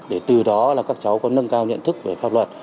để từ đó là các cháu có nâng cao nhận thức về pháp luật